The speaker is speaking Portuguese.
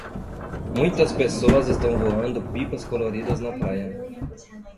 Muitas pessoas estão voando pipas coloridas na praia.